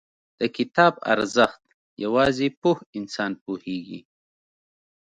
• د کتاب ارزښت، یوازې پوه انسان پوهېږي.